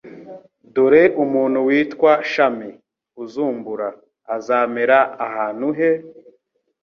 "Dore umuntu witwa Shami uzumbura, azamera ahantu he,